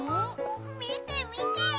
みてみて！